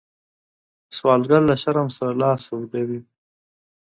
سوالګر له شرم سره لاس اوږدوي